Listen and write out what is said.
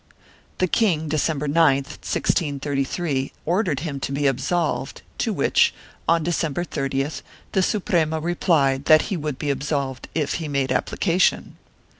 The king, December 9, 1633, ordered him to be absolved, to which, on December 30th, the Suprema replied that he wrould be absolved if he made application.